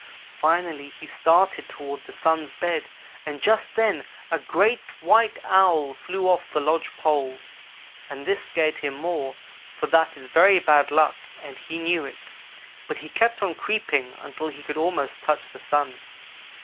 Finally he started toward the Sun's bed and just then a great white Owl flew from off the lodge poles, and this scared him more, for that is very bad luck and he knew it; but he kept on creeping until he could almost touch the Sun.